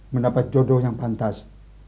mendapat jodoh yang pantas